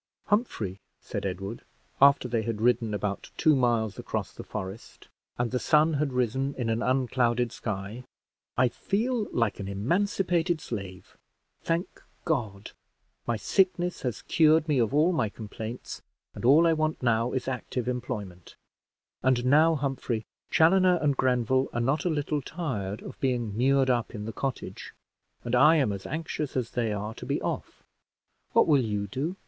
"Humphrey," said Edward, after they had ridden about two miles across the forest, and the sun had risen in an unclouded sky, "I feel like an emancipated slave. Thank God! my sickness has cured me of all my complaints, and all I want now is active employment. And now, Humphrey, Chaloner and Grenville are not a little tired of being mured up in the cottage, and I am as anxious as they are to be off. What will you do?